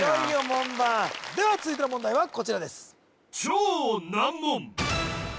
門番では続いての問題はこちらです